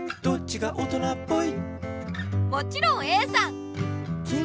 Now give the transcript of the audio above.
「どっちが大人っぽい？」